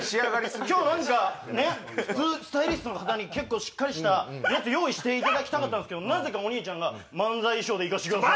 今日何かスタイリストの方に結構しっかりしたやつ用意していただきたかったんですけどなぜかお兄ちゃんが「漫才衣装で行かしてください」。